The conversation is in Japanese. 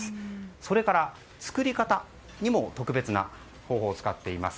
それから作り方にも特別な方法を使っています。